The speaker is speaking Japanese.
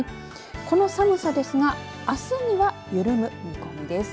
この寒さですがあすには緩む見込みです。